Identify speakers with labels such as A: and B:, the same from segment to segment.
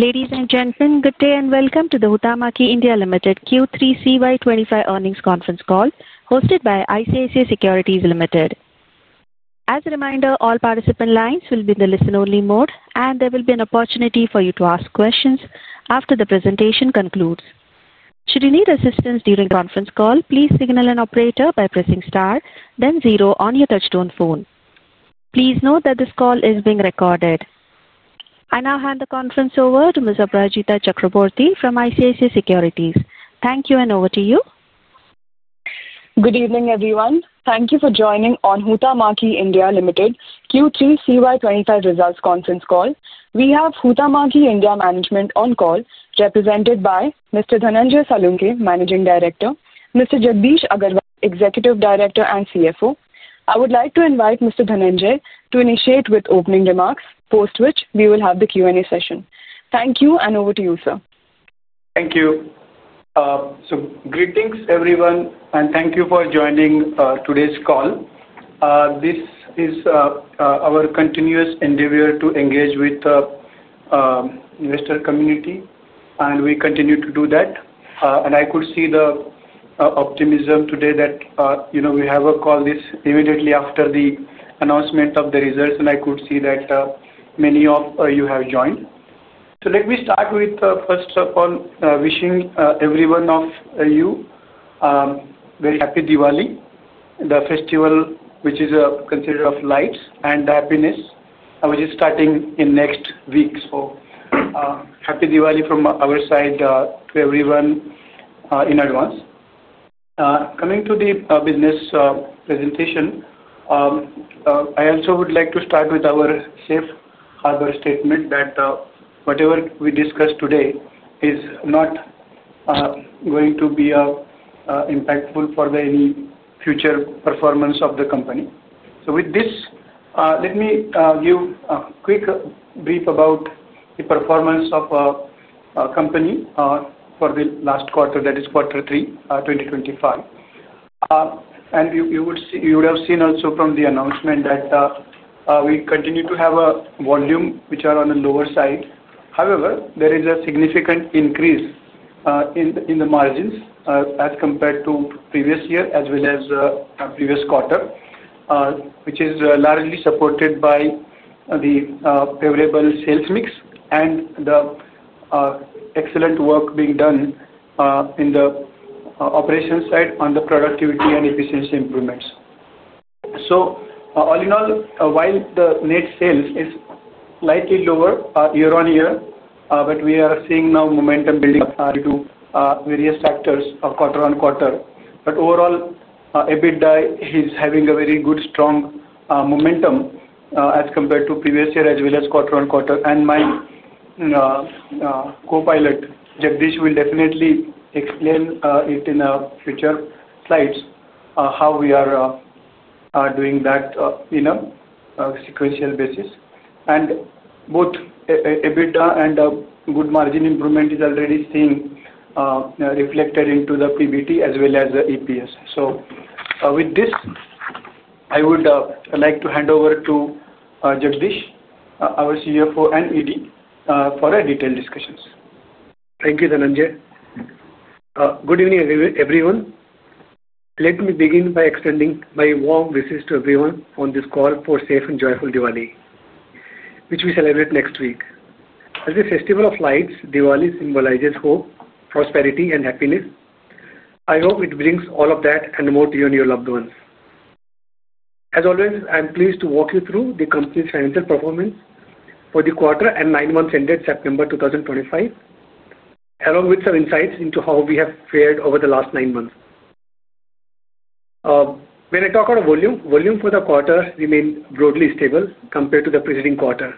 A: Ladies and gentlemen, good day and welcome to the Huhtamaki India Limited Q3 CY2025 earnings conference call hosted by ICICI Securities. As a reminder, all participant lines will be in the listen-only mode, and there will be an opportunity for you to ask questions after the presentation concludes. Should you need assistance during the conference call, please signal an operator by pressing star, then zero on your touch-tone phone. Please note that this call is being recorded. I now hand the conference over to Ms. Abhijita Chakraborty from ICICI Securities. Thank you and over to you.
B: Good evening, everyone. Thank you for joining on Huhtamaki India Limited Q3 CY2025 results conference call. We have Huhtamaki India Limited management on call, represented by Mr. Dhananjay Salunkhe, Managing Director, and Mr. Jagdish Agarwal, Executive Director and CFO. I would like to invite Mr. Dhananjay to initiate with opening remarks, post which we will have the Q&A session. Thank you and over to you, sir.
C: Thank you. Greetings, everyone, and thank you for joining today's call. This is our continuous endeavor to engage with the investor community, and we continue to do that. I could see the optimism today that we have a call immediately after the announcement of the results, and I could see that many of you have joined. Let me start with, first of all, wishing every one of you a very happy Diwali, the festival which is considered of lights and the happiness, which is starting next week. Happy Diwali from our side to everyone in advance. Coming to the business presentation, I also would like to start with our safe harbor statement that whatever we discuss today is not going to be impactful for any future performance of the company. With this, let me give a quick brief about the performance of our company for the last quarter, that is quarter three, 2025. You would have seen also from the announcement that we continue to have a volume which is on the lower side. However, there is a significant increase in the margins as compared to previous year as well as previous quarter, which is largely supported by the favorable sales mix and the excellent work being done in the operations side on the productivity and efficiency improvements. All in all, while the net sales is slightly lower year on year, we are seeing now momentum building up due to various factors quarter on quarter. Overall, EBITDA is having a very good, strong momentum as compared to previous year as well as quarter on quarter. My co-pilot, Jagdish, will definitely explain it in the future slides, how we are doing that in a sequential basis. Both EBITDA and good margin improvement is already seen reflected into the profit before tax as well as the EPS. With this, I would like to hand over to Jagdish, our CFO and ED, for a detailed discussion.
D: Thank you, Dhananjay. Good evening, everyone. Let me begin by extending my warm wishes to everyone on this call for a safe and joyful Diwali, which we celebrate next week. As a festival of lights, Diwali symbolizes hope, prosperity, and happiness. I hope it brings all of that and more to you and your loved ones. As always, I'm pleased to walk you through the company's financial performance for the quarter and nine months ended September 2025, along with some insights into how we have fared over the last nine months. When I talk about volume, volume for the quarter remained broadly stable compared to the preceding quarter,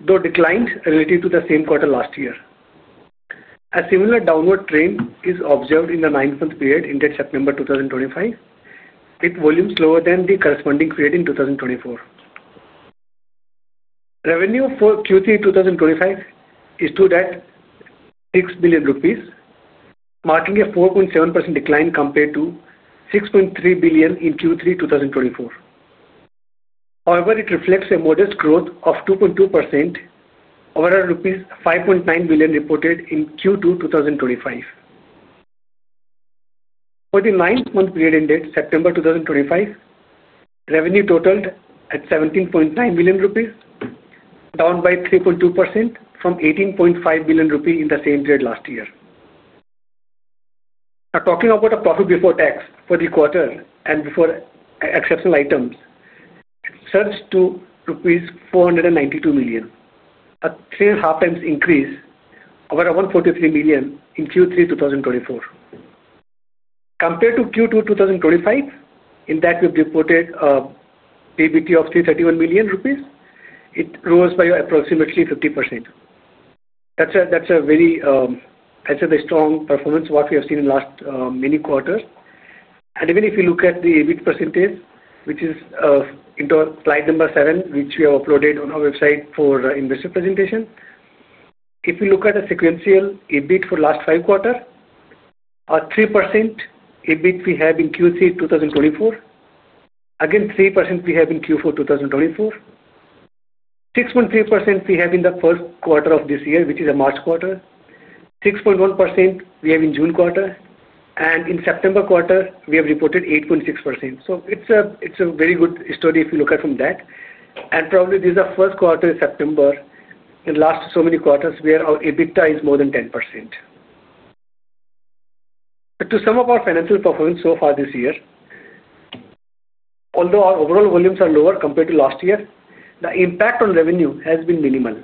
D: though declined relative to the same quarter last year. A similar downward trend is observed in the nine-month period ended September 2025, with volumes lower than the corresponding period in 2024. Revenue for Q3 2025 is to that of 6 billion rupees, marking a 4.7% decline compared to 6.3 billion in Q3 2024. However, it reflects a modest growth of 2.2% over the rupees 5.9 billion reported in Q2 2025. For the nine-month period ended September 2025, revenue totaled at 17.9 billion rupees, down by 3.2% from 18.5 billion rupees in the same period last year. Now, talking about profit before tax for the quarter and before exceptional items, it surged to rupees 492 million, a three-and-a-half times increase of around 143 million in Q3 2024. Compared to Q2 2025, in that we've reported a PBT of 331 million rupees, it rose by approximately 50%. That's a very, I'd say, a strong performance of what we have seen in the last many quarters. Even if you look at the EBIT percentage, which is into slide number seven, which we have uploaded on our website for investor presentation, if you look at the sequential EBIT for the last five quarters, 3% EBIT we have in Q3 2024, again, 3% we have in Q4 2024, 6.3% we have in the first quarter of this year, which is a March quarter, 6.1% we have in June quarter, and in September quarter, we have reported 8.6%. It is a very good story if you look at it from that. Probably this is the first quarter in September in the last so many quarters where our EBITDA is more than 10%. To sum up our financial performance so far this year, although our overall volumes are lower compared to last year, the impact on revenue has been minimal.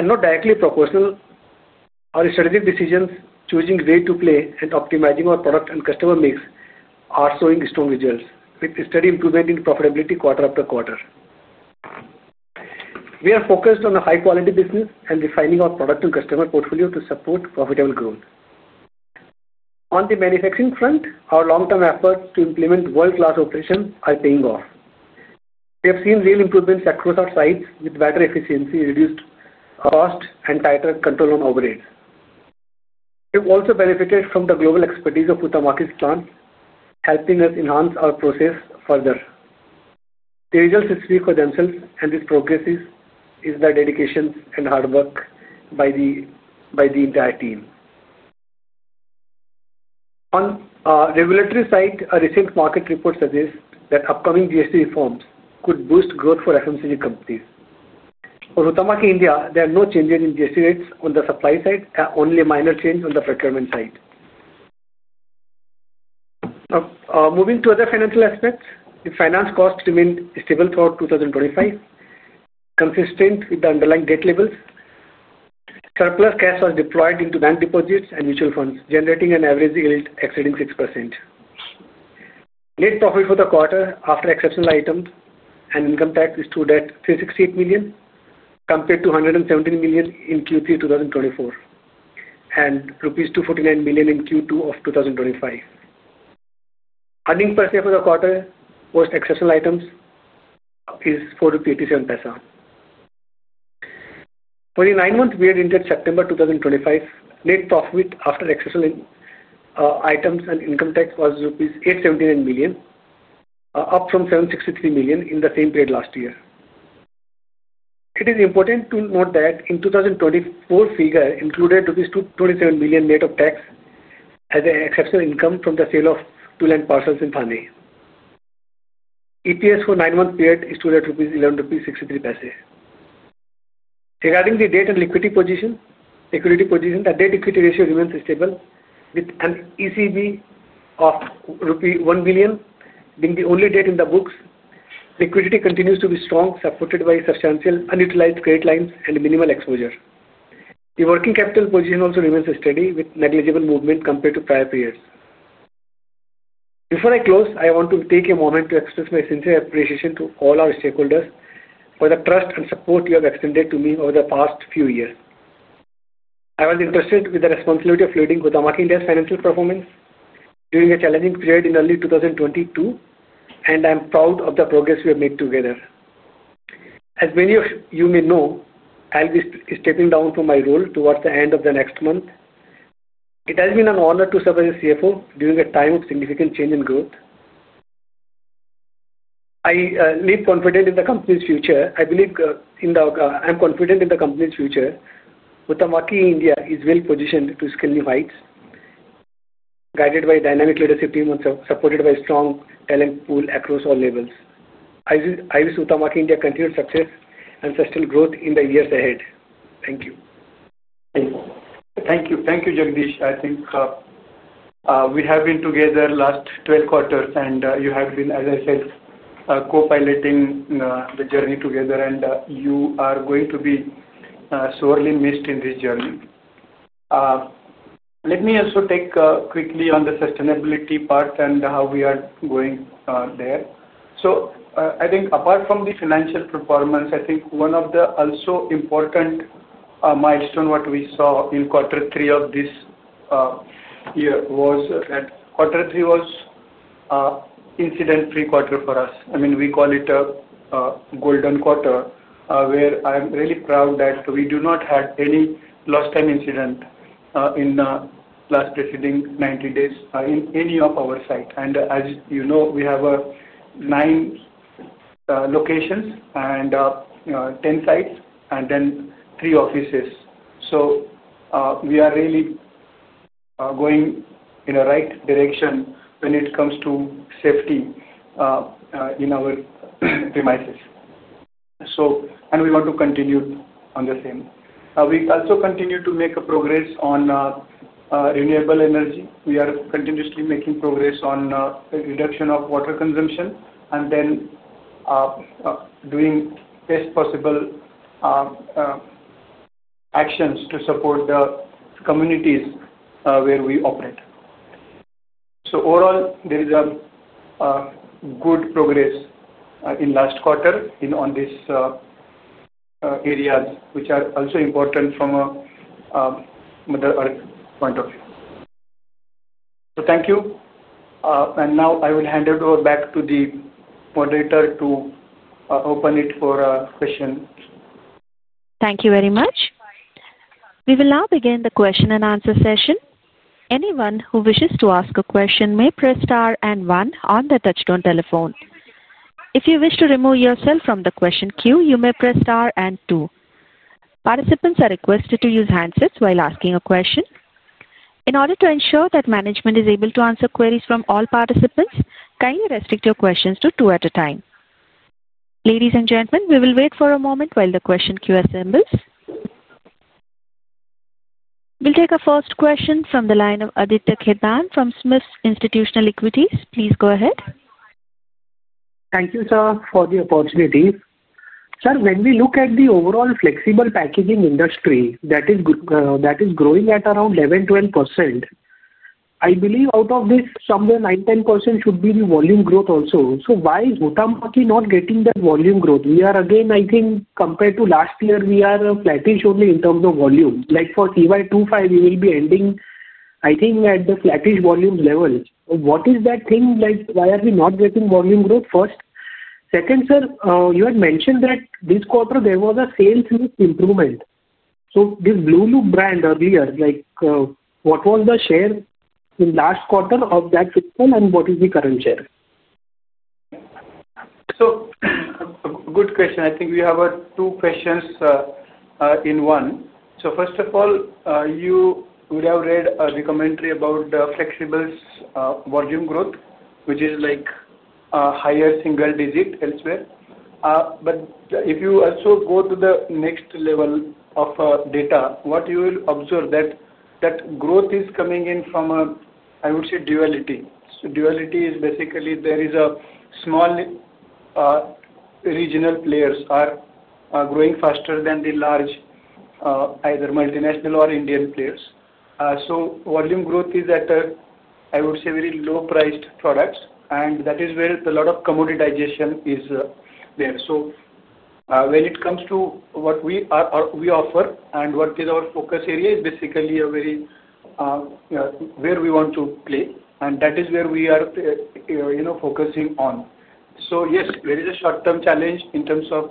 D: Not directly proportional, our strategic decisions, choosing way to play, and optimizing our product and customer mix are showing strong results, with a steady improvement in profitability quarter after quarter. We are focused on a high-quality business and refining our product and customer portfolio to support profitable growth. On the manufacturing front, our long-term efforts to implement world-class operations are paying off. We have seen real improvements across our sites with better efficiency, reduced cost, and tighter control on overheads. We've also benefited from the global expertise of Huhtamaki's plant, helping us enhance our process further. The results speak for themselves, and this progress is the dedication and hard work by the entire team. On the regulatory side, a recent market report suggests that upcoming GST reforms could boost growth for FMCG companies. For Huhtamaki India Limited, there are no changes in GST rates on the supply side, only a minor change on the procurement side. Moving to other financial aspects, the finance costs remain stable throughout 2025, consistent with the underlying debt levels. Surplus cash was deployed into bank deposits and mutual funds, generating an average yield exceeding 6%. Net profit for the quarter after exceptional items and income tax is to that of 368 million compared to 117 million in Q3 2024 and rupees 249 million in Q2 of 2025. Earnings per share for the quarter post-exceptional items is 4.87. For the nine months we had entered September 2025, net profit after exceptional items and income tax was rupees 879 million, up from 763 million in the same period last year. It is important to note that in 2024, figure included rupees 227 million net of tax as an exceptional income from the sale of two land parcels in Thane. EPS for the nine-month period is to that of 11.63. Regarding the debt and liquidity position, the debt-liquidity ratio remains stable with an ECB of rupee 1 billion being the only debt in the books. Liquidity continues to be strong, supported by substantial unutilized credit lines and minimal exposure. The working capital position also remains steady with negligible movement compared to prior periods. Before I close, I want to take a moment to express my sincere appreciation to all our stakeholders for the trust and support you have extended to me over the past few years. I was entrusted with the responsibility of leading Huhtamaki India Limited's financial performance during a challenging period in early 2022, and I'm proud of the progress we have made together. As many of you may know, I'll be stepping down from my role towards the end of the next month. It has been an honor to serve as CFO during a time of significant change and growth. I leave confident in the company's future. I'm confident in the company's future. Huhtamaki India Limited is well-positioned to scale new heights, guided by a dynamic leadership team and supported by a strong talent pool across all levels. I wish Huhtamaki India Limited continued success and sustained growth in the years ahead. Thank you. Thank you. Thank you, Jagdish. I think we have been together the last 12 quarters, and you have been, as I said, co-piloting the journey together, and you are going to be sorely missed in this journey. Let me also quickly touch on the sustainability part and how we are going there. Apart from the financial performance, I think one of the also important milestones we saw in quarter three of this year was that quarter three was an incident-free quarter for us. We call it a golden quarter, where I'm really proud that we do not have any lost time incident in the last preceding 90 days in any of our sites. As you know, we have nine locations and 10 sites and three offices. We are really going in the right direction when it comes to safety in our premises, and we want to continue on the same. We also continue to make progress on renewable energy. We are continuously making progress on the reduction of water consumption and doing the best possible actions to support the communities where we operate. Overall, there is good progress in the last quarter in all these areas which are also important from a mother earth point of view. Thank you. Now I will hand it over back to the moderator to open it for questions.
A: Thank you very much. We will now begin the question and answer session. Anyone who wishes to ask a question may press star and one on the touch-tone telephone. If you wish to remove yourself from the question queue, you may press star and two. Participants are requested to use handsets while asking a question. In order to ensure that management is able to answer queries from all participants, kindly restrict your questions to two at a time. Ladies and gentlemen, we will wait for a moment while the question queue assembles. We'll take our first question from the line of Aditya Kedman from Smith's Institutional Equities. Please go ahead.
E: Thank you, sir, for the opportunity. Sir, when we look at the overall flexible packaging industry that is growing at around 11%, 12%, I believe out of this somewhere 9%, 10% should be the volume growth also. Why is Huhtamaki India Limited not getting that volume growth? We are, again, I think compared to last year, we are flattish only in terms of volume. Like for CY2025, we will be ending, I think, at the flattish volume levels. What is that thing? Why are we not getting volume growth? First, second, sir, you had mentioned that this quarter there was a sales improvement. This Blue Loop brand earlier, like what was the share in the last quarter of that fixed sale and what is the current share?
C: A good question. I think we have two questions in one. First of all, you would have read the commentary about the flexible volume growth, which is like a higher single digit elsewhere. If you also go to the next level of data, what you will observe is that growth is coming in from a, I would say, duality. Duality is basically there is a small regional players are growing faster than the large, either multinational or Indian players. Volume growth is at a, I would say, very low-priced product. That is where a lot of commoditization is there. When it comes to what we are or we offer and what is our focus area, it is basically a very where we want to play. That is where we are focusing on. Yes, there is a short-term challenge in terms of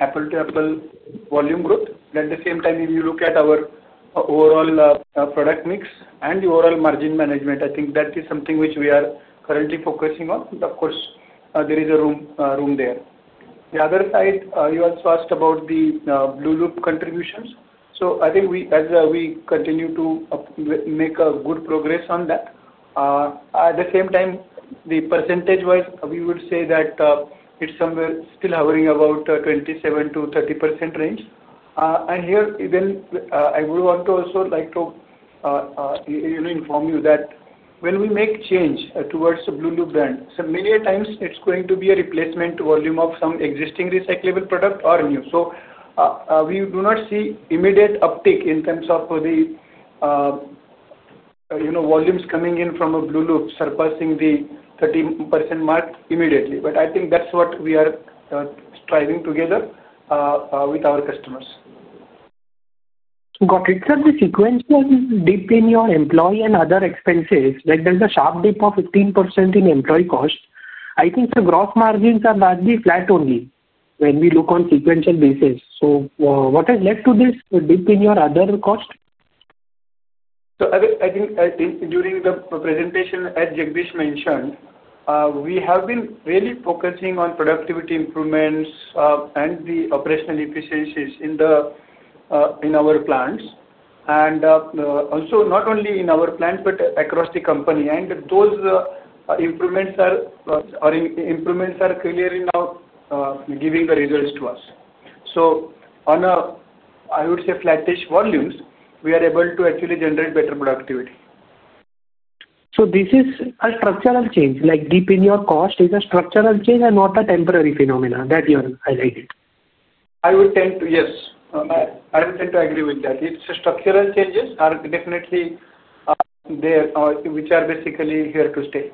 C: apple-to-apple volume growth. At the same time, if you look at our overall product mix and the overall margin management, I think that is something which we are currently focusing on. Of course, there is a room there. The other side, you also asked about the Blue Loop contributions. I think as we continue to make good progress on that, at the same time, percentage-wise, we would say that it's somewhere still hovering about 27% to 30% range. Here, I would also like to inform you that when we make change towards the Blue Loop brand, many times it's going to be a replacement volume of some existing recyclable product or new. We do not see immediate uptake in terms of the volumes coming in from a Blue Loop surpassing the 30% mark immediately. I think that's what we are striving together with our customers.
E: Got it. Sir, the sequential dip in your employee and other expenses, like there's a sharp dip of 15% in employee cost. I think the gross margins are largely flat only when we look on a sequential basis. What has led to this dip in your other cost?
C: I think during the presentation, as Jagdish Agarwal mentioned, we have been really focusing on productivity improvements and the operational efficiencies in our plants. Also, not only in our plants, but across the company. Those improvements are clearly now giving the results to us. On a, I would say, flattish volumes, we are able to actually generate better productivity.
E: This is a structural change. Like dip in your cost is a structural change and not a temporary phenomena that you have highlighted.
C: I would tend to agree with that. Structural changes are definitely there, which are basically here to stay.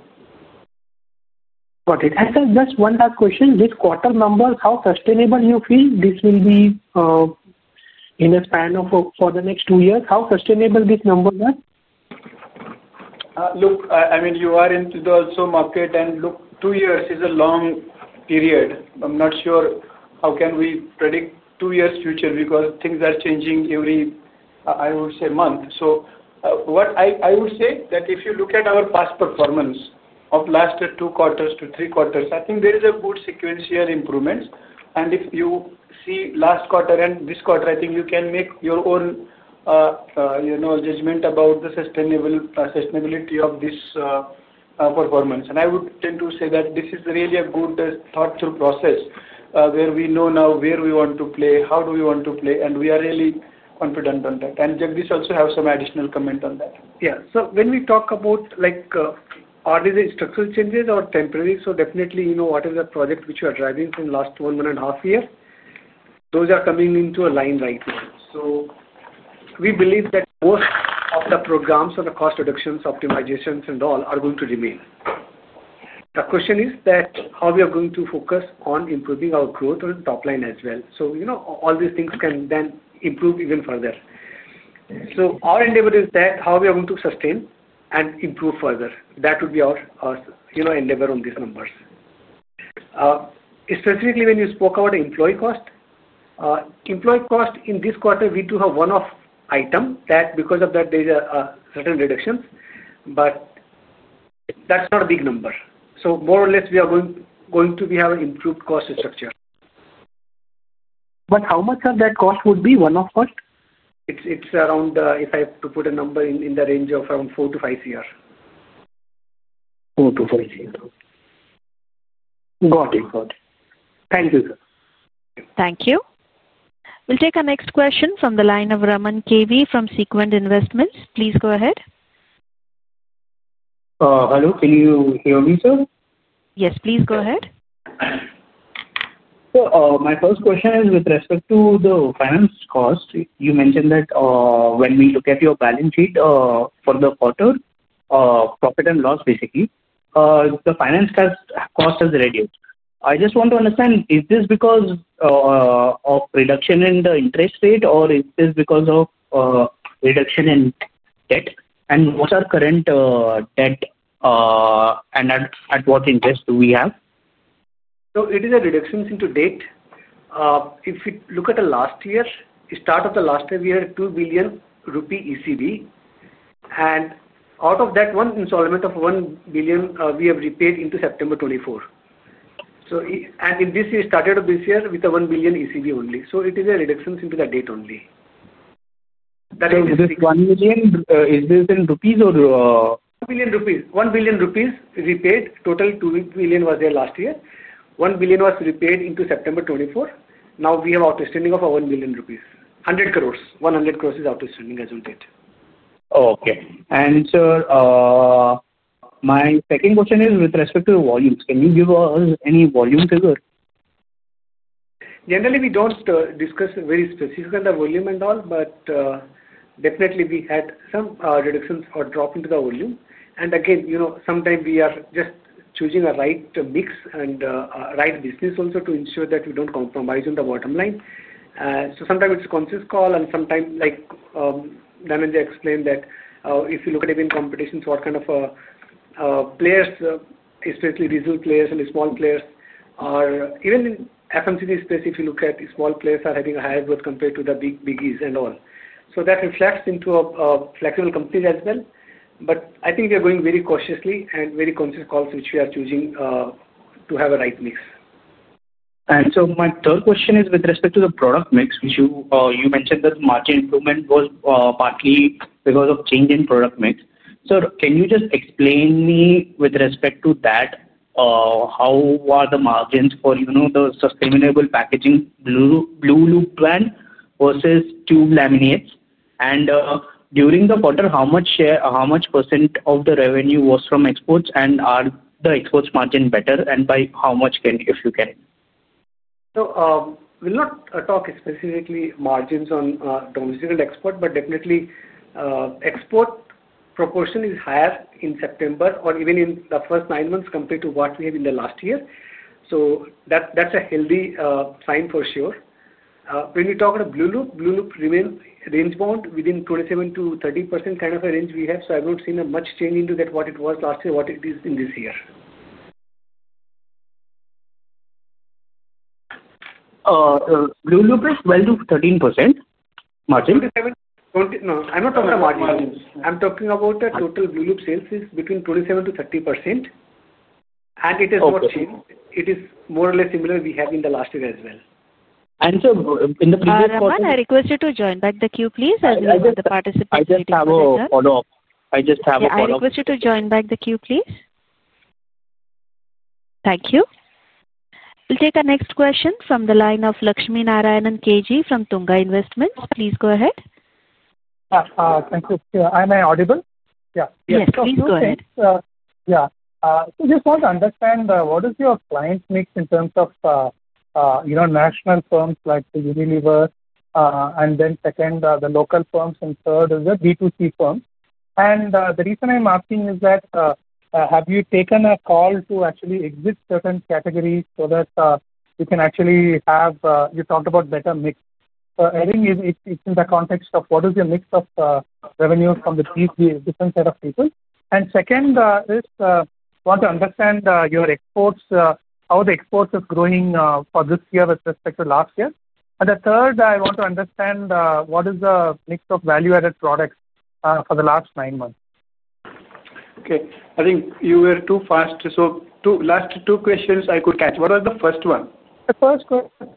E: Got it. Sir, just one last question. This quarter numbers, how sustainable do you feel this will be in a span of for the next two years? How sustainable these numbers are?
C: Look, I mean, you are into the also market, and two years is a long period. I'm not sure how can we predict two years' future because things are changing every, I would say, month. What I would say is that if you look at our past performance of the last two quarters to three quarters, I think there is a good sequential improvement. If you see last quarter and this quarter, I think you can make your own judgment about the sustainability of this performance. I would tend to say that this is really a good thought-through process where we know now where we want to play, how do we want to play, and we are really confident on that. Jagdish also has some additional comment on that.
D: Yeah. When we talk about like, are these structural changes or temporary? Definitely, you know what is the project which you are driving for the last one and a half year? Those are coming into a line right now. We believe that most of the programs and the cost reductions, optimizations, and all are going to remain. The question is that how we are going to focus on improving our growth on the top line as well. You know all these things can then improve even further. Our endeavor is that how we are going to sustain and improve further. That would be our endeavor on these numbers. Specifically, when you spoke about employee cost, employee cost in this quarter, we do have one-off item that because of that, there are certain reductions, but that's not a big number. More or less, we are going to have an improved cost structure.
E: How much of that cost would be one-off cost?
D: It's around, if I have to put a number, in the range of around 4 to 5 crore.
E: 4 to 5 crore. Got it. Got it. Thank you, sir.
A: Thank you. We'll take our next question from the line of Raman KV from Sequend Investments. Please go ahead.
F: Hello, can you hear me, sir?
A: Yes, please go ahead.
F: My first question is with respect to the finance cost. You mentioned that when we look at your balance sheet for the quarter, profit and loss, basically, the finance cost has reduced. I just want to understand, is this because of reduction in the interest rate or is this because of reduction in debt? What are current debt and at what interest do we have?
D: It is a reduction into date. If you look at the last year, the start of the last year, we had a 2 billion rupee ECB. Out of that, one installment of 1 billion, we have repaid in September 2024. In this year, started this year with a 1 billion ECB only. It is a reduction into that date only.
F: That is 1 billion. Is this in rupees or?
D: 1 billion. 1 billion rupees repaid. Total 2 billion was there last year. 1 billion was repaid into September 2024. Now we have outstanding of 1 billion rupees. 100 crores. 100 crores is outstanding as of date.
F: Okay. Sir, my second question is with respect to the volumes. Can you give us any volume figure?
D: Generally, we don't discuss very specifically the volume and all, but definitely, we had some reductions or drop into the volume. Sometimes we are just choosing the right mix and the right business also to ensure that we don't compromise on the bottom line. Sometimes it's a conscious call and sometimes, like Dhananjay explained, that if you look at even competitions, what kind of players, especially digital players and small players, are even in FMCG space, if you look at small players are having a higher growth compared to the big biggies and all. That reflects into a flexible company as well. I think we are going very cautiously and very conscious calls which we are choosing to have a right mix.
F: My third question is with respect to the product mix, which you mentioned that the margin improvement was partly because of change in product mix. Sir, can you just explain me with respect to that? How are the margins for the sustainable packaging Blue Loop brand versus two laminates? During the quarter, how much share, how much % of the revenue was from exports, and are the exports margin better and by how much, if you can?
D: We will not talk specifically margins on domestic and export, but definitely, export proportion is higher in September or even in the first nine months compared to what we have in the last year. That is a healthy sign for sure. When we talk about Blue Loop, Blue Loop remains range-bound within 27% to 30% kind of a range we have. I have not seen much change in that, what it was last year, what it is in this year.
F: Blue Loop is 12 to 13% margin?
D: No, I'm not talking about margins. I'm talking about the total Blue Loop sales is between 27% to 30%. It is not changed. It is more or less similar we have in the last year as well.
F: In the previous quarter.
A: Ravan, I request you to join back the queue, please, as we have the participant data closer.
F: I just have a follow-up.
A: I just have a follow-up. I request you to join back the queue, please. Thank you. We'll take our next question from the line of Lakshmi Narayanan KG from Tunga Investments. Please go ahead.
G: Thank you. I'm inaudible. Yeah.
E: Yes, please go ahead.
G: Yeah. I just want to understand what is your client mix in terms of, you know, national firms like Unilever, then the local firms, and third is the B2C firms. The reason I'm asking is that, have you taken a call to actually exit certain categories so that you can actually have, you talked about better mix? I think it's in the context of what is your mix of revenues from the different set of people. I want to understand your exports, how the exports are growing for this year with respect to last year. I want to understand what is the mix of value-added products for the last nine months.
D: Okay, I think you were too fast. The last two questions I could catch. What was the first one?
G: The first question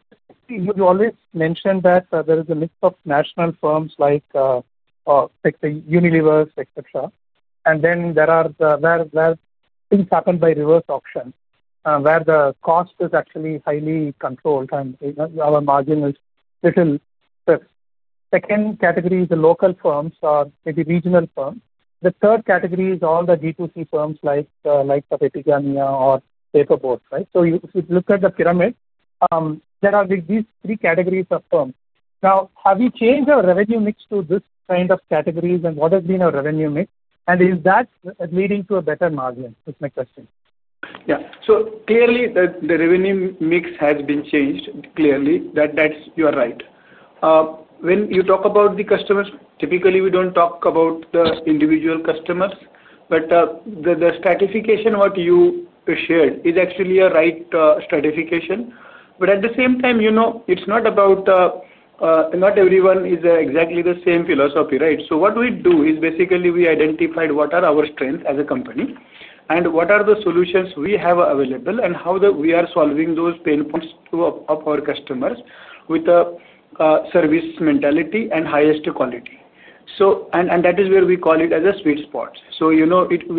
G: is you always mentioned that there is a mix of national firms like the Unilevers, etc. and then there are the where things happen by reverse auction, where the cost is actually highly controlled and our margin is a little stiff. The second category is the local firms or maybe regional firms. The third category is all the B2C firms like Papigania or Paperboards, right? If you look at the pyramid, there are these three categories of firms. Now, have you changed our revenue mix to this kind of categories and what has been our revenue mix? Is that leading to a better margin? That's my question.
D: Yeah. So clearly, the revenue mix has been changed. Clearly, that's your right. When you talk about the customers, typically, we don't talk about the individual customers. The stratification you shared is actually a right stratification. At the same time, it's not about, not everyone is exactly the same philosophy, right? What we do is basically we identified what are our strengths as a company and what are the solutions we have available and how we are solving those pain points of our customers with a service mentality and highest quality. That is where we call it a sweet spot. We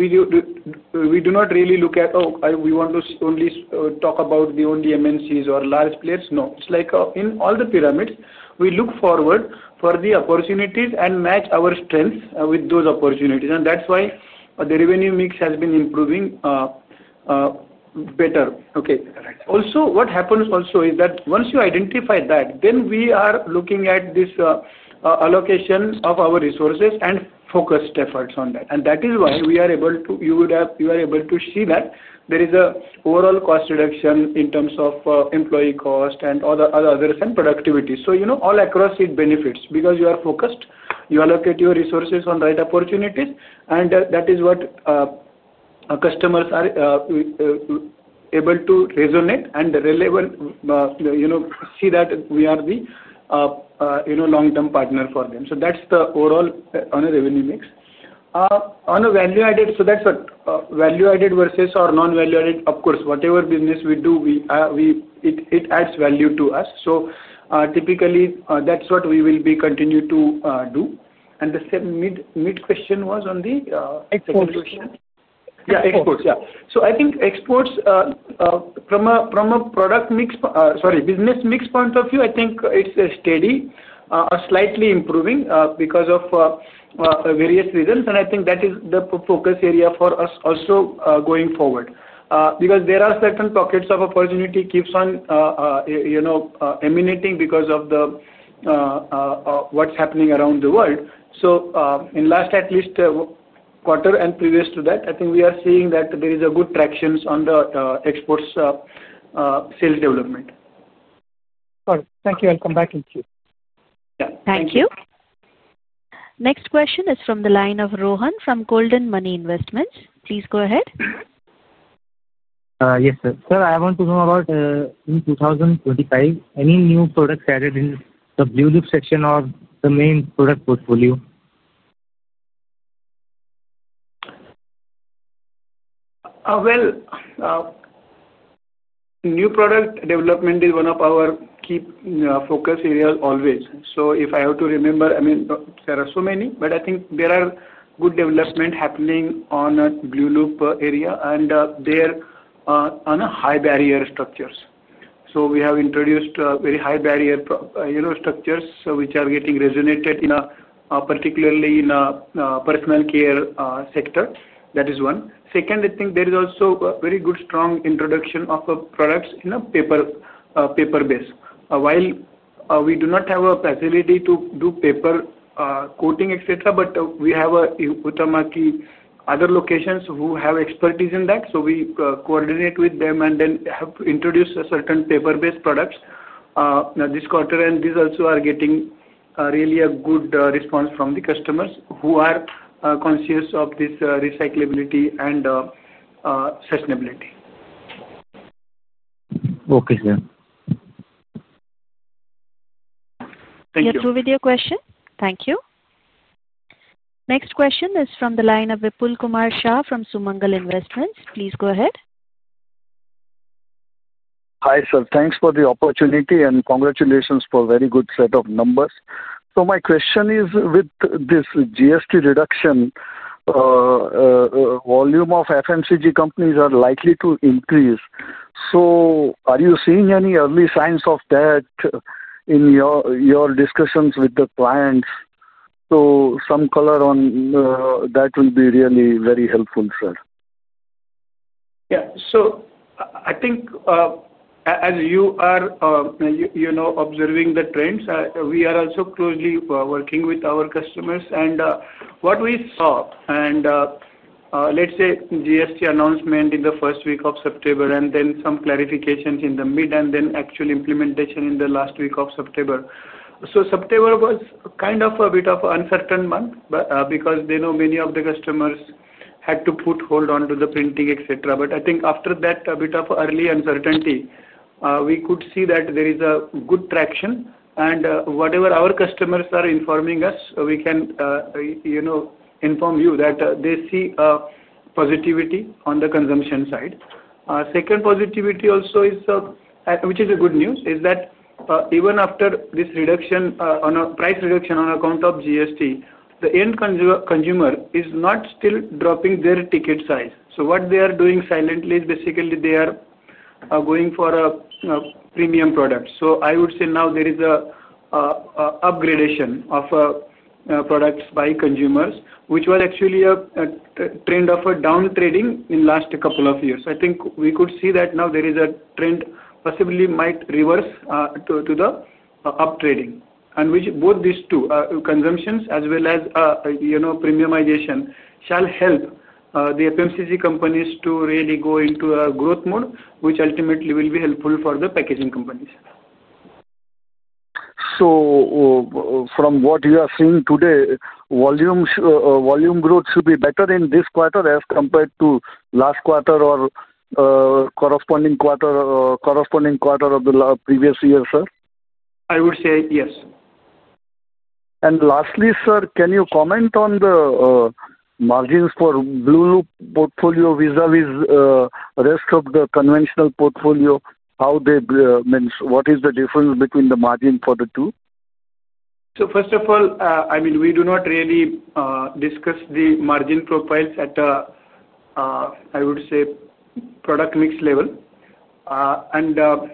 D: do not really look at, oh, we want to only talk about only MNCs or large players. It's like in all the pyramids, we look forward for the opportunities and match our strengths with those opportunities. That's why the revenue mix has been improving, better. Also, what happens is that once you identify that, then we are looking at this allocation of our resources and focused efforts on that. That is why you are able to see that there is an overall cost reduction in terms of employee cost and others and productivity. All across it benefits because you are focused, you allocate your resources on the right opportunities, and that is what customers are able to resonate and relevant, you know, see that we are the long-term partner for them. That's the overall on a revenue mix. On a value-added, so that's what value-added versus our non-value-added, of course, whatever business we do, it adds value to us. Typically, that's what we will be continuing to do. The same mid-question was on the exports.
G: Execution?
D: Yeah, exports. I think exports, from a product mix, sorry, business mix point of view, I think it's steady, slightly improving, because of various reasons. I think that is the focus area for us also, going forward, because there are certain pockets of opportunity that keep on emanating because of what's happening around the world. In the last at least a quarter and previous to that, I think we are seeing that there is a good traction on the exports sales development.
E: Got it. Thank you. I'll come back in a few.
D: Yeah.
A: Thank you. Next question is from the line of Rohan from Golden Money Investments. Please go ahead.
H: Yes, sir. Sir, I want to know about in 2025, any new products added in the Blue Loop section or the main product portfolio?
D: New product development is one of our key focus areas always. If I have to remember, I mean, there are so many, but I think there are good developments happening on the Blue Loop area and they're on high barrier structures. We have introduced very high barrier structures which are getting resonated in a particularly in a personal care sector. That is one. Second, I think there is also a very good strong introduction of products in a paper-based. While we do not have a facility to do paper coating, etc., we have other locations who have expertise in that. We coordinate with them and then have introduced certain paper-based products this quarter. These also are getting really a good response from the customers who are conscious of this recyclability and sustainability.
H: Okay, sir.
D: Thank you.
A: We are through with your question. Thank you. Next question is from the line of Vipul Kumar Shah from Sumangal Investments. Please go ahead.
I: Hi, sir. Thanks for the opportunity and congratulations for a very good set of numbers. My question is with this GST reduction, volume of FMCG companies are likely to increase. Are you seeing any early signs of that in your discussions with the clients? Some color on that will be really very helpful, sir.
D: Yeah. I think as you are observing the trends, we are also closely working with our customers. What we saw was the GST announcement in the first week of September, then some clarifications in the middle, and then actual implementation in the last week of September. September was kind of a bit of an uncertain month because many of the customers had to put hold on the printing, etc. I think after that bit of early uncertainty, we could see that there is good traction. Whatever our customers are informing us, we can inform you that they see a positivity on the consumption side. A second positivity, which is good news, is that even after this reduction on account of GST, the end consumer is not dropping their ticket size. What they are doing silently is basically going for a premium product. I would say now there is an upgradation of products by consumers, which was actually a trend of downtrending in the last couple of years. I think we could see that now there is a trend that possibly might reverse to uptrending. Both these, consumption as well as premiumization, shall help the FMCG companies to really go into a growth mode, which ultimately will be helpful for the packaging companies.
I: From what you are seeing today, volume growth should be better in this quarter as compared to last quarter or corresponding quarter of the previous year, sir?
D: I would say yes.
I: Lastly, sir, can you comment on the margins for Blue Loop portfolio vis-à-vis the rest of the conventional portfolio? What is the difference between the margin for the two?
D: First of all, we do not really discuss the margin profiles at a, I would say, product mix level. That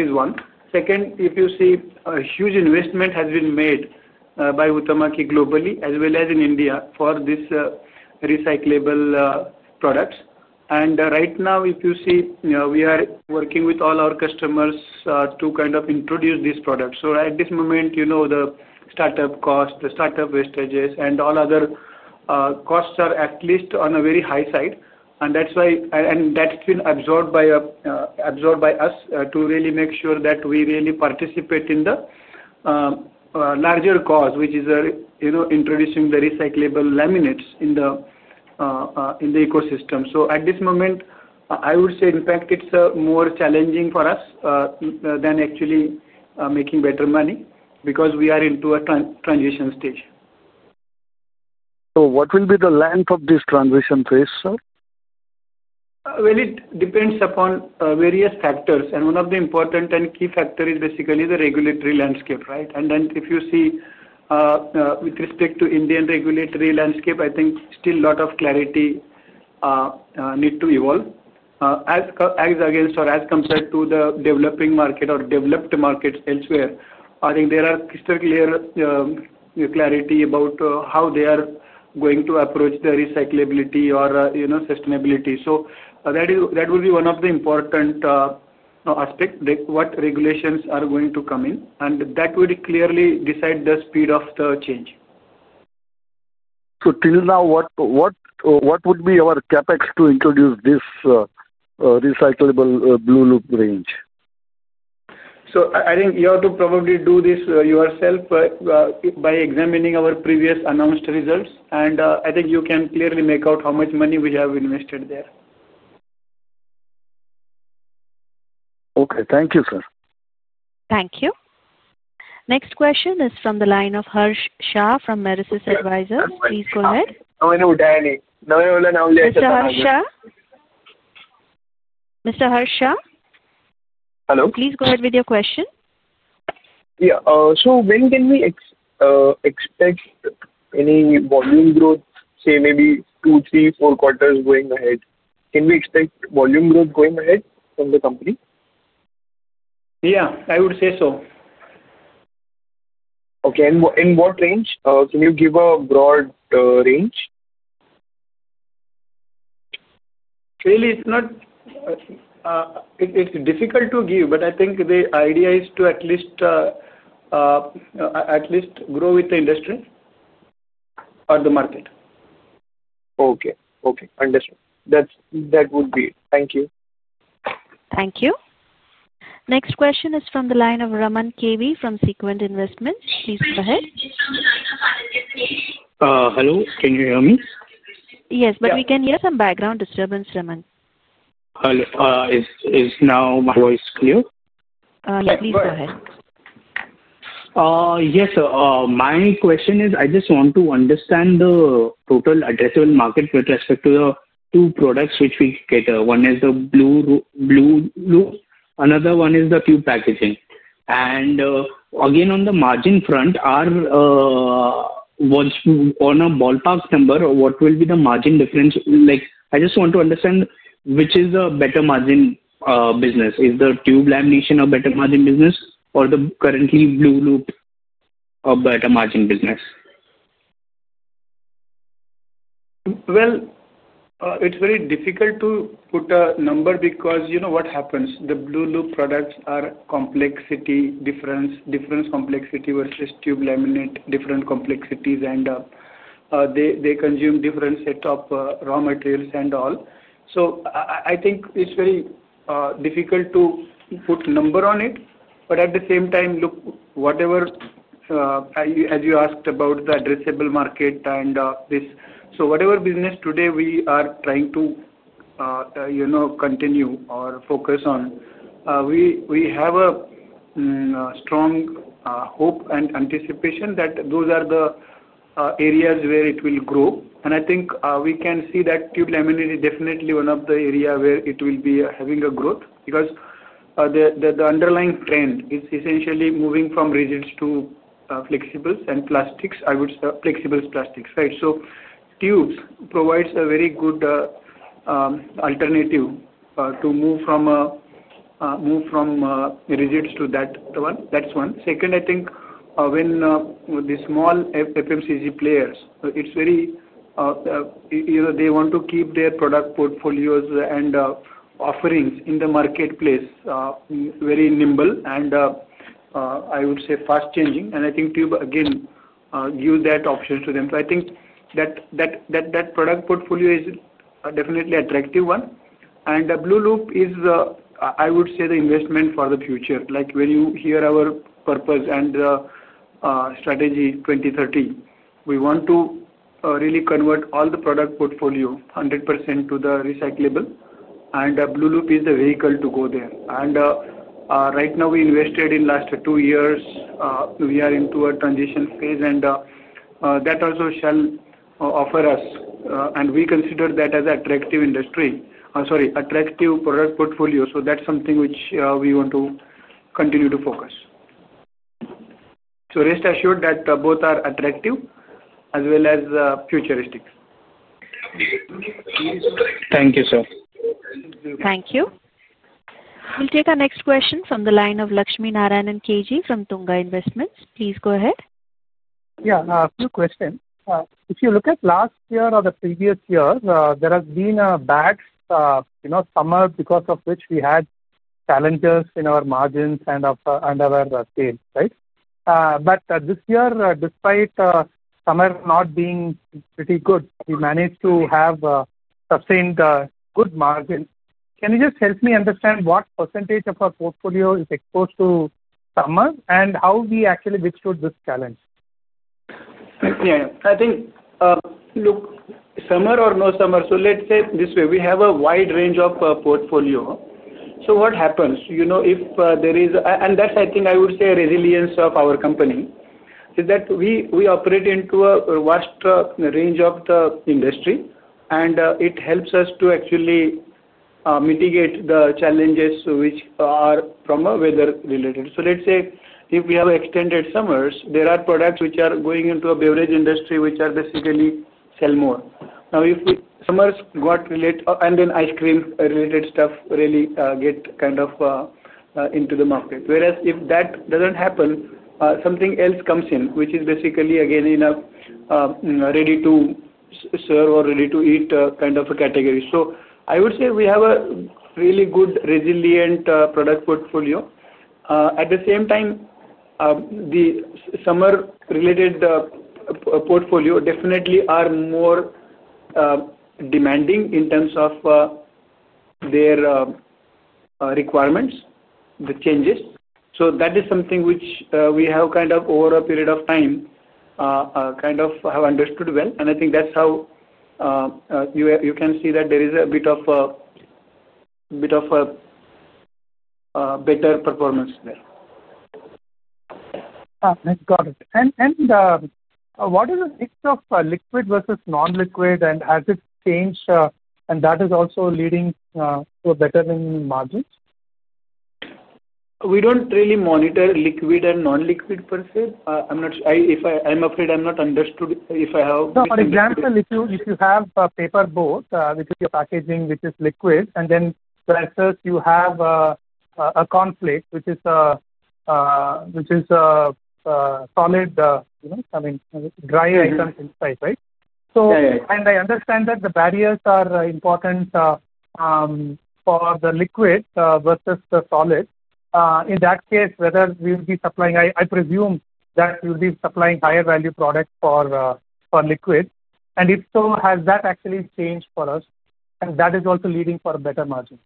D: is one. Second, if you see, a huge investment has been made by Huhtamaki globally as well as in India for these recyclable products. Right now, if you see, we are working with all our customers to kind of introduce these products. At this moment, the startup cost, the startup wastages, and all other costs are at least on a very high side. That's why, and that's been absorbed by us to really make sure that we really participate in the larger cause, which is introducing the recyclable laminates in the ecosystem. At this moment, I would say, in fact, it's more challenging for us than actually making better money because we are into a transition stage.
I: What will be the length of this transition phase, sir?
D: It depends upon various factors. One of the important and key factors is basically the regulatory landscape, right? If you see with respect to the Indian regulatory landscape, I think still a lot of clarity needs to evolve as compared to the developing market or developed markets elsewhere. I think there is crystal clear clarity about how they are going to approach the recyclability or sustainability. That would be one of the important aspects, what regulations are going to come in. That would clearly decide the speed of the change.
I: Till now, what would be our CapEx to introduce this recyclable Blue Loop range?
D: I think you have to probably do this yourself by examining our previously announced results. I think you can clearly make out how much money we have invested there.
I: Okay, thank you, sir.
A: Thank you. Next question is from the line of Harsh Shah from Medisys Advisors. Please go ahead.
J: Hello.
A: Mr. Harsh Shah.
J: Hello.
A: Please go ahead with your question.
J: Yeah, when can we expect any volume growth, say maybe two, three, four quarters going ahead? Can we expect volume growth going ahead from the company?
D: Yeah, I would say so.
J: Okay. In what range? Can you give a broad range?
D: Really, it's not difficult to give, but I think the idea is to at least grow with the industry or the market.
J: Okay. Okay. Understood. That would be it. Thank you.
A: Thank you. Next question is from the line of Raman KV from Sequend Investments. Please go ahead.
F: Hello, can you hear me?
A: Yes, but we can hear some background disturbance, Raman.
F: Hello. Is my voice clear now?
A: Yes, please go ahead.
F: Yes, sir. My question is I just want to understand the total addressable market with respect to the two products which we get. One is the Blue Loop. Another one is the Pew Packaging. On the margin front, on a ballpark number, what will be the margin difference? I just want to understand which is the better margin business. Is the tube lamination a better margin business or the currently Blue Loop a better margin business?
D: It's very difficult to put a number because you know what happens. The Blue Loop products are complexity, difference, complexity versus tube laminate, different complexities. They consume different sets of raw materials and all. I think it's very difficult to put a number on it. At the same time, look, whatever, as you asked about the addressable market and this, whatever business today we are trying to, you know, continue or focus on, we have a strong hope and anticipation that those are the areas where it will grow. I think we can see that tube laminate is definitely one of the areas where it will be having a growth because the underlying trend is essentially moving from resins to flexibles and plastics. I would say flexibles plastics, right? Tubes provide a very good alternative to move from resins to that one. That's one. Second, I think when the small FMCG players, it's very, you know, they want to keep their product portfolios and offerings in the marketplace very nimble and I would say fast-changing. I think tube, again, gives that option to them. I think that product portfolio is definitely an attractive one. The Blue Loop is, I would say, the investment for the future. Like when you hear our purpose and the strategy 2030, we want to really convert all the product portfolio 100% to the recyclable. The Blue Loop is the vehicle to go there. Right now, we invested in the last two years. We are into a transition phase. That also shall offer us, and we consider that as an attractive industry, sorry, attractive product portfolio. That's something which we want to continue to focus. Rest assured that both are attractive as well as futuristic.
F: Thank you, sir.
A: Thank you. We'll take our next question from the line of Lakshmi Narayanan KG from Tunga Investments. Please go ahead.
G: Yeah. A few questions. If you look at last year or the previous year, there has been a bad summer because of which we had challenges in our margins and our sales, right? This year, despite summer not being pretty good, we managed to have sustained good margins. Can you just help me understand what % of our portfolio is exposed to summer and how we actually withstood this challenge?
D: Yeah. I think, look, summer or no summer, let's say it this way. We have a wide range of portfolio. What happens, you know, if there is, and that's, I think, I would say a resilience of our company, is that we operate into a vast range of the industry. It helps us to actually mitigate the challenges which are from a weather-related. Let's say if we have extended summers, there are products which are going into a beverage industry which are basically selling more. If summers got related, then ice cream-related stuff really gets kind of into the market. Whereas if that doesn't happen, something else comes in, which is basically, again, in a ready-to-serve or ready-to-eat kind of a category. I would say we have a really good resilient product portfolio. At the same time, the summer-related portfolio definitely is more demanding in terms of their requirements, the changes. That is something which we have kind of over a period of time, kind of have understood well. I think that's how you can see that there is a bit of a better performance there.
G: Got it. What is the mix of liquid versus non-liquid? Has it changed? Is that also leading to a better margin?
C: We don't really monitor liquid and non-liquid per se. I'm not sure. I'm afraid I'm not understood if I have. For example, if you have a paper boat, which is your packaging, which is liquid, and then versus you have a cornflake, which is a solid, I mean, dry item inside, right?
D: Yeah, yeah.
G: I understand that the barriers are important for the liquid versus the solid. In that case, whether we would be supplying, I presume that we would be supplying higher-value products for liquid. If so, has that actually changed for us? Is that also leading for a better margin?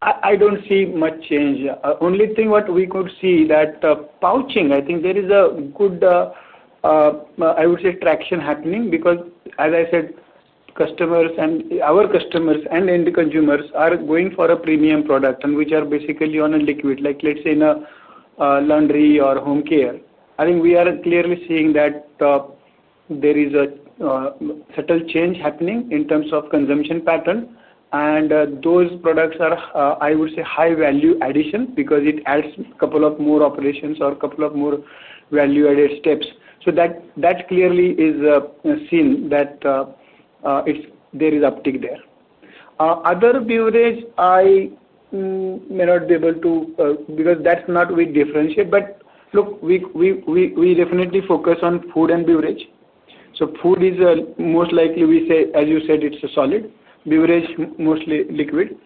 D: I don't see much change. Only thing what we could see is that pouching, I think there is a good, I would say, traction happening because, as I said, customers and our customers and end consumers are going for a premium product, which are basically on a liquid, like let's say in a laundry or home care. I think we are clearly seeing that there is a subtle change happening in terms of consumption pattern. Those products are, I would say, high-value additions because it adds a couple of more operations or a couple of more value-added steps. That clearly is seen that there is uptake there. Other beverage, I may not be able to, because that's not a way to differentiate. Look, we definitely focus on food and beverage. Food is most likely, we say, as you said, it's a solid. Beverage, mostly liquid.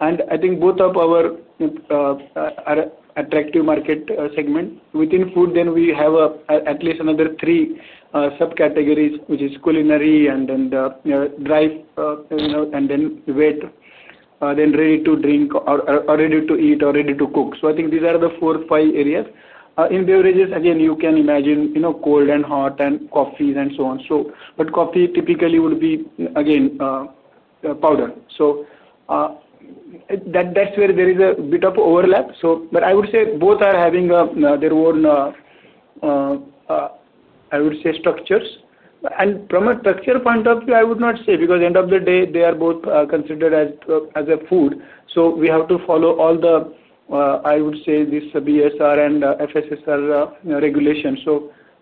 D: I think both are attractive market segments. Within food, then we have at least another three subcategories, which is culinary and then the dry, you know, and then wet, then ready to drink or ready to eat or ready to cook. I think these are the four or five areas. In beverages, again, you can imagine, you know, cold and hot and coffees and so on. Coffee typically would be, again, powder. That's where there is a bit of overlap. I would say both are having their own, I would say, structures. From a structure point of view, I would not say because at the end of the day, they are both considered as a food. We have to follow all the, I would say, this BSR and FSSR regulations.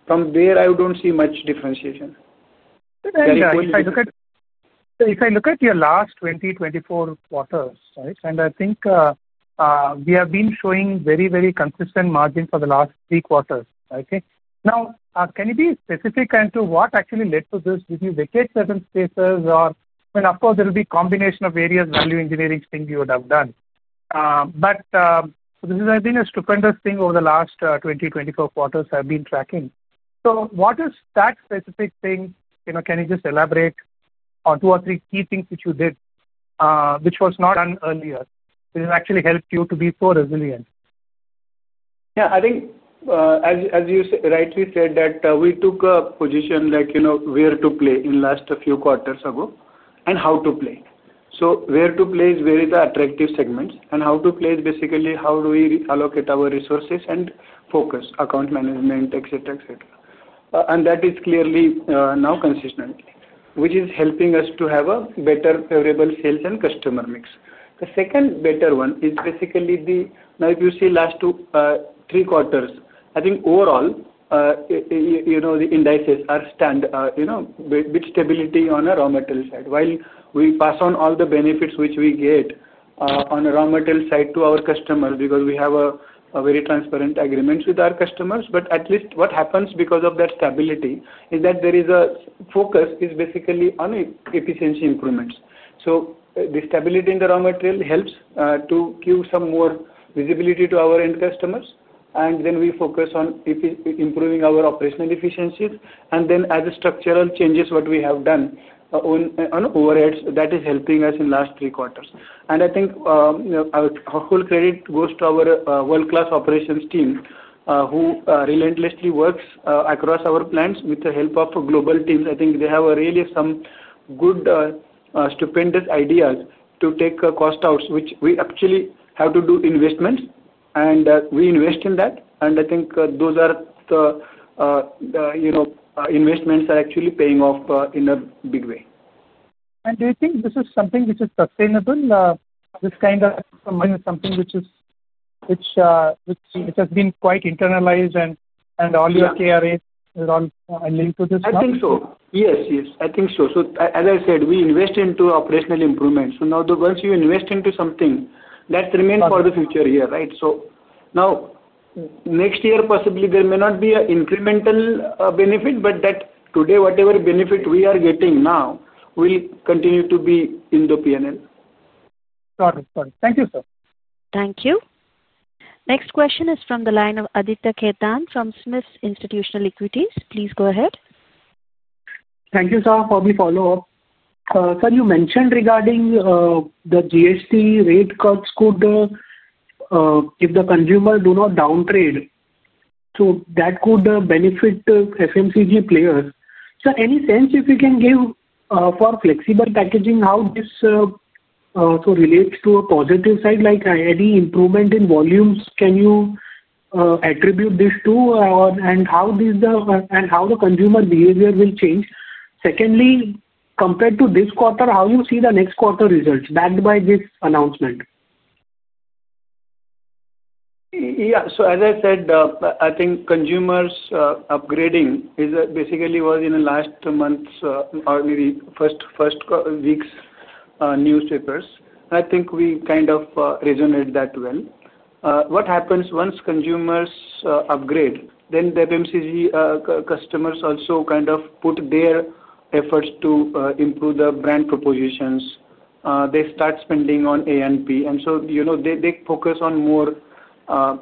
D: From there, I don't see much differentiation.
C: If I look at your last 2024 quarter, right, I think we have been showing very, very consistent margin for the last three quarters, okay? Can you be specific as to what actually led to this? Did you vacate certain spaces? I mean, of course, there will be a combination of various value engineering things you would have done. This has been a stupendous thing over the last 2024 quarters I've been tracking. What is that specific thing? Can you just elaborate on two or three key things which you did, which was not done earlier? This has actually helped you to be so resilient.
D: Yeah. I think, as you rightly said that we took a position, like, you know, where to play in the last few quarters ago and how to play. Where to play is where is the attractive segments. How to play is basically how do we allocate our resources and focus account management, etc., etc. That is clearly now consistent, which is helping us to have a better favorable sales and customer mix. The second better one is basically, now if you see the last two, three quarters, I think overall, you know, the indices are stand, you know, with stability on the raw material side. While we pass on all the benefits which we get on the raw material side to our customers because we have a very transparent agreement with our customers, at least what happens because of that stability is that there is a focus basically on efficiency improvements. The stability in the raw material helps to give some more visibility to our end customers. We focus on improving our operational efficiencies. As a structural change, what we have done on overheads, that is helping us in the last three quarters. I think, you know, our whole credit goes to our world-class operations team, who relentlessly works across our plants with the help of global teams. I think they have really some good, stupendous ideas to take cost out, which we actually have to do investments. We invest in that. I think those are the, you know, investments are actually paying off in a big way.
G: Do you think this is something which is sustainable? This kind of something which has been quite internalized and all your KRAs are all linked to this stuff?
D: Yes, I think so. As I said, we invest into operational improvements. Once you invest into something, that remains for the future year, right? Next year, possibly, there may not be an incremental benefit, but whatever benefit we are getting now will continue to be in the P&L.
G: Got it. Got it. Thank you, sir.
A: Thank you. Next question is from the line of Aditya Kedan from Smith's Institutional Equities. Please go ahead.
E: Thank you, sir, for the follow-up. Sir, you mentioned regarding the GST rate cuts, if the consumer does not downtrade, that could benefit FMCG players. Sir, any sense if you can give for flexible packaging, how this relates to a positive side, like any improvement in volumes, can you attribute this to, and how the consumer behavior will change? Secondly, compared to this quarter, how do you see the next quarter results backed by this announcement?
D: Yeah. As I said, I think consumers' upgrading was in the last month's or maybe first week's newspapers. I think we kind of resonate that well. What happens once consumers upgrade? The FMCG customers also put their efforts to improve the brand propositions. They start spending on A and P, and they focus on more, I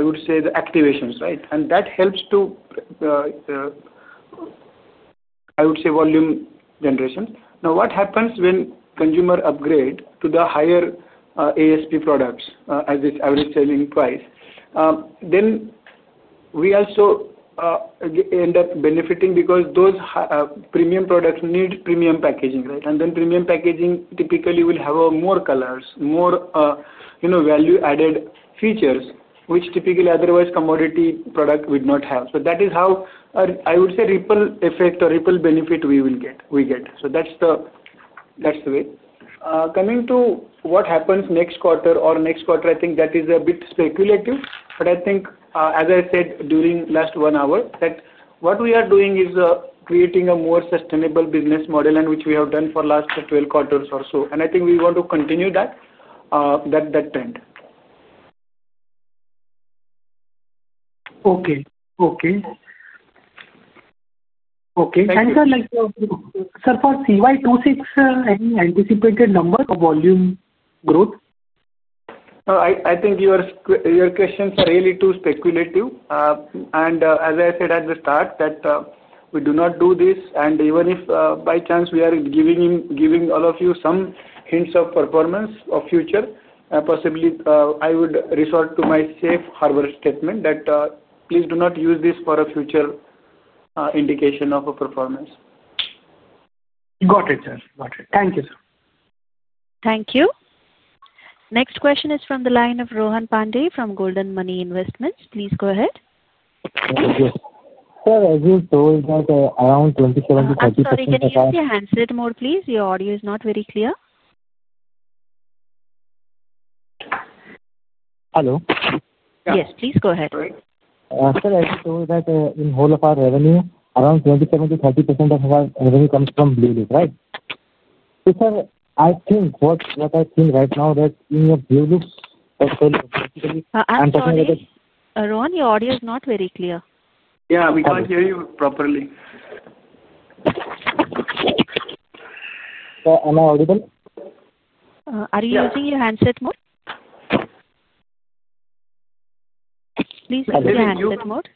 D: would say, the activations, right? That helps to, I would say, volume generation. Now, what happens when consumers upgrade to the higher ASP products as this average selling price? We also end up benefiting because those premium products need premium packaging, right? Premium packaging typically will have more colors, more value-added features, which typically otherwise commodity products would not have. That is how, I would say, ripple effect or ripple benefit we will get. That's the way. Coming to what happens next quarter or next quarter, I think that is a bit speculative. As I said during the last one hour, what we are doing is creating a more sustainable business model, which we have done for the last 12 quarters or so. I think we want to continue that trend.
E: Okay. Thank you.
C: Sir, for CY2026, any anticipated number of volume growth?
D: I think your questions are really too speculative. As I said at the start, we do not do this. Even if by chance we are giving all of you some hints of performance of future, possibly, I would resort to my safe harbor statement that please do not use this for a future indication of a performance.
E: Got it, sir. Got it. Thank you, sir.
A: Thank you. Next question is from the line of Rohan Pande from Golden Money Investments. Please go ahead.
H: Sir, as you told, it's not around 27% to 30%.
A: Ravan, can you say your handset mode, please? Your audio is not very clear.
H: Hello?
A: Yes, please go ahead.
H: Sir, as you told that in all of our revenue, around 27% to 30% of our revenue comes from Blue Loop, right? I think what I think right now that in your Blue Loop, I'm talking about.
A: Rohan, your audio is not very clear.
D: Yeah, we can't hear you properly.
H: Sir, am I audible?
A: Are you using your handset mode? Please use your handset mode.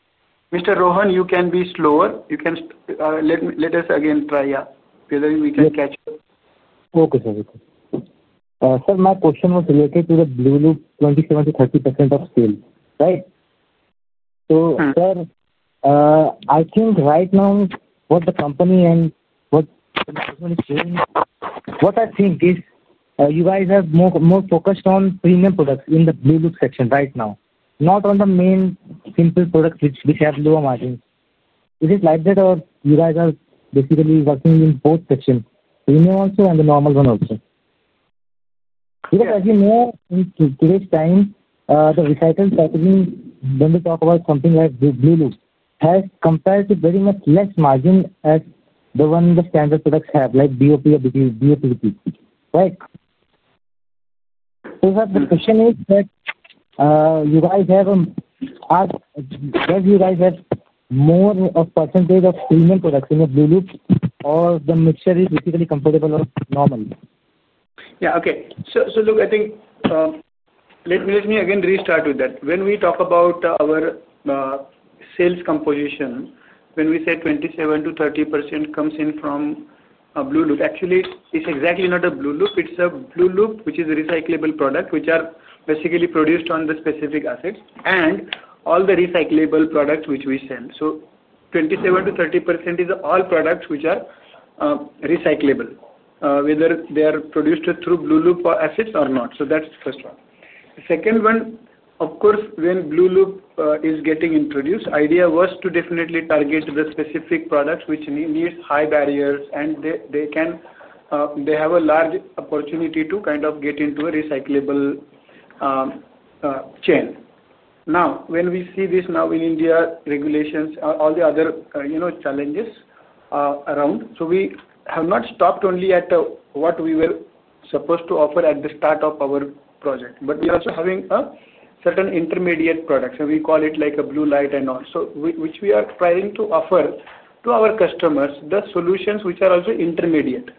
D: Mr. Rohan, you can be slower. You can let us again try feathering. We can catch it.
H: Okay, sir. Sir, my question was related to the Blue Loop 27% -30% of sales, right? Sir, I think right now what the company and what is doing, what I think is you guys are more focused on premium products in the Blue Loop section right now, not on the main simple products which have lower margins. Is it like that or you guys are basically working in both sections? Premium also and the normal one also? Because as you know, in today's time, the recycled packaging, when we talk about something like Blue Loop, has compared to very much less margin as the one the standard products have like BOP or BPC, right? Sir, the question is that you guys have a, do you guys have more of a percentage of premium products in the Blue Loop or the mixture is basically comfortable or normal?
C: Okay. I think let me again restart with that. When we talk about our sales composition, when we say 27%-30% comes in from Blue Loop, actually, it's exactly not Blue Loop. It's Blue Loop, which is a recyclable product, which are basically produced on the specific assets and all the recyclable products which we send. So 27%-30% is all products which are recyclable, whether they are produced through Blue Loop assets or not. That's the first one. The second one, of course, when Blue Loop is getting introduced, the idea was to definitely target the specific products which need high barriers and they have a large opportunity to kind of get into a recyclable chain. Now, when we see this now in India regulations, all the other challenges around, we have not stopped only at what we were supposed to offer at the start of our project, but we are also having certain intermediate products. We call it like a blue light and all, which we are trying to offer to our customers, the solutions which are also intermediate.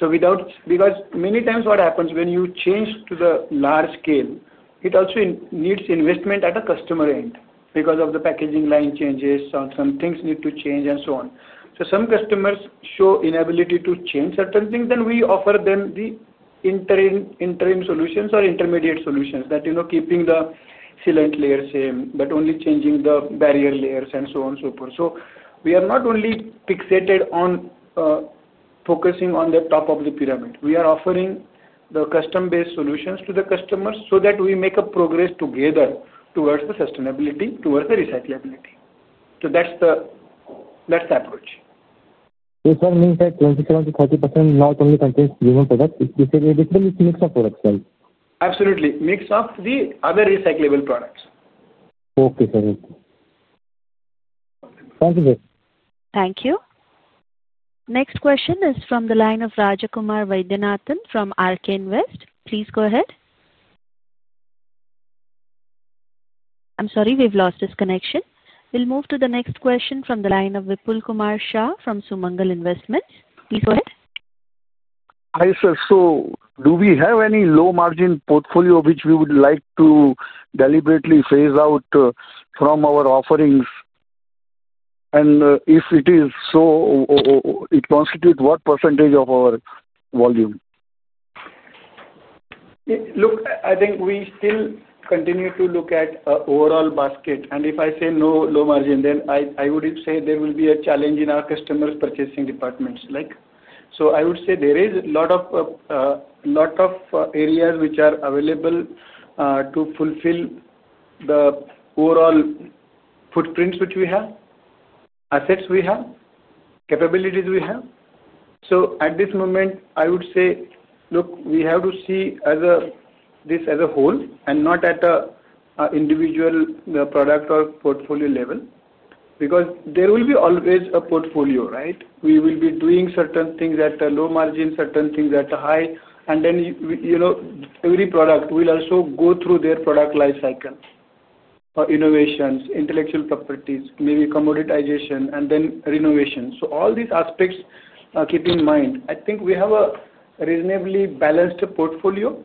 C: Many times what happens when you change to the large scale, it also needs investment at a customer end because of the packaging line changes or some things need to change and so on. Some customers show inability to change certain things, then we offer them the interim solutions or intermediate solutions, keeping the sealant layer same but only changing the barrier layers and so on and so forth. We are not only fixated on focusing on the top of the pyramid. We are offering the custom-based solutions to the customers so that we make progress together towards the sustainability, towards the recyclability. That's the approach.
H: Sir, means that 27%-30% not only contains premium products. You said it's a mix of products then?
D: Absolutely. Mix of the other recyclable products.
H: Okay, sir. Thank you, sir.
A: Thank you. Next question is from the line of Rajakumar Vaidyanathan from Arcane West. Please go ahead. I'm sorry, we've lost his connection. We'll move to the next question from the line of Vipul Kumar Shah from Sumangal Investments. Please go ahead.
I: Hi, sir. Do we have any low-margin portfolio which we would like to deliberately phase out from our offerings? If it is so, it constitutes what % of our volume?
C: Look, I think we still continue to look at an overall basket. If I say no low margin, then I would say there will be a challenge in our customers' purchasing departments. I would say there is a lot of areas which are available to fulfill the overall footprints which we have, assets we have, capabilities we have. At this moment, I would say, look, we have to see this as a whole and not at an individual product or portfolio level because there will always be a portfolio, right? We will be doing certain things at a low margin, certain things at a high. Every product will also go through their product life cycle, innovations, intellectual properties, maybe commoditization, and then renovation. All these aspects keep in mind. I think we have a reasonably balanced portfolio.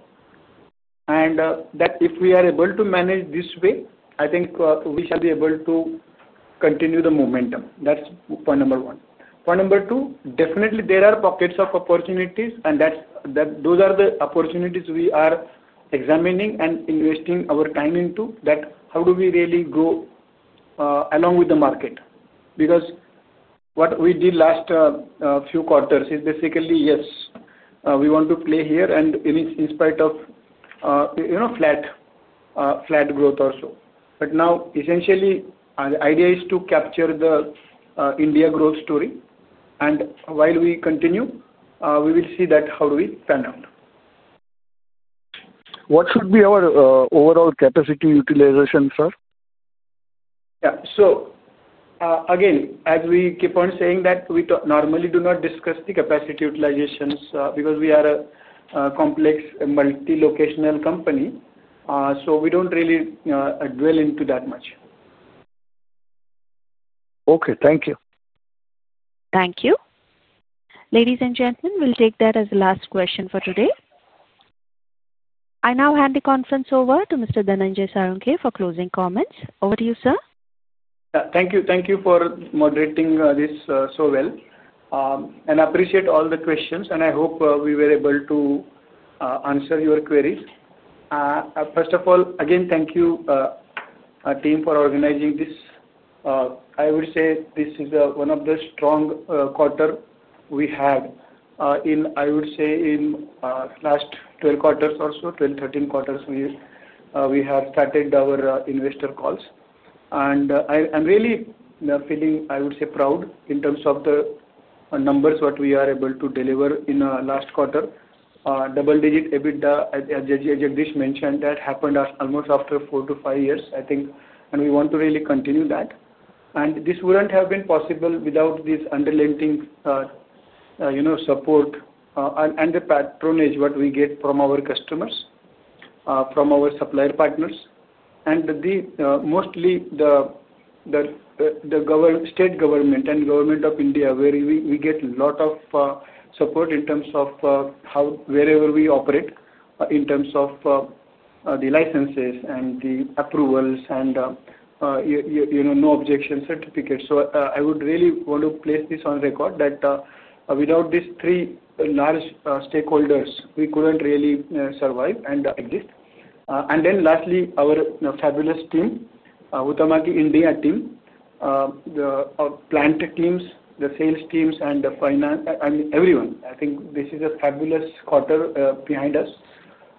C: If we are able to manage this way, I think we shall be able to continue the momentum. That's point number one. Point number two, definitely, there are pockets of opportunities. Those are the opportunities we are examining and investing our time into, that how do we really grow along with the market. What we did last few quarters is basically, yes, we want to play here in spite of, you know, flat growth also. Now, essentially, the idea is to capture the India growth story. While we continue, we will see that how do we pan out.
I: What should be our overall capacity utilization, sir?
D: Yeah, as we keep on saying, we normally do not discuss the capacity utilizations because we are a complex multi-locational company. We don't really dwell into that much.
I: Okay, thank you.
A: Thank you. Ladies and gentlemen, we'll take that as the last question for today. I now hand the conference over to Mr. Dhananjay Salunkhe for closing comments. Over to you, sir.
C: Thank you. Thank you for moderating this so well. I appreciate all the questions, and I hope we were able to answer your queries. First of all, again, thank you, team, for organizing this. I would say this is one of the strong quarters we had. In the last 12 quarters or so, 12, 13 quarters, we have started our investor calls. I'm really feeling proud in terms of the numbers we are able to deliver in the last quarter. Double-digit EBITDA, as Jagdish mentioned, that happened almost after four to five years, I think. We want to really continue that. This wouldn't have been possible without this underlying support and the patronage we get from our customers, from our supplier partners, and mostly the state government and the government of India, where we get a lot of support in terms of how, wherever we operate, in terms of the licenses and the approvals and no objection certificates. I would really want to place this on record that without these three large stakeholders, we couldn't really survive and exist. Lastly, our fabulous team, Huhtamaki India team, the plant teams, the sales teams, and the finance, I mean, everyone. I think this is a fabulous quarter behind us,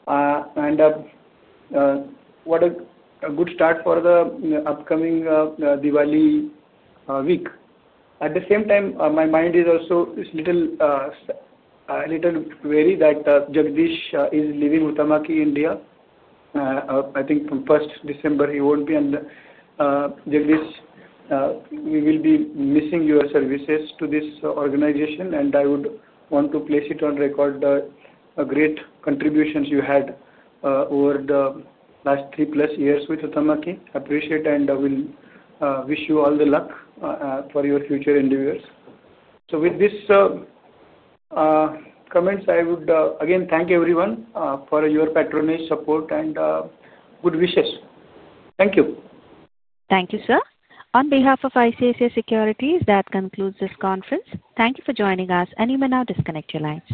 C: and what a good start for the upcoming Diwali week. At the same time, my mind is also a little wary that Jagdish is leaving Huhtamaki India. I think from 1st December, he won't be. Jagdish, we will be missing your services to this organization, and I would want to place it on record the great contributions you had over the last three-plus years with Huhtamaki. I appreciate and wish you all the luck for your future endeavors. With these comments, I would again thank everyone for your patronage, support, and good wishes. Thank you.
A: Thank you, sir. On behalf of ICICI Securities, that concludes this conference. Thank you for joining us. You may now disconnect your lines.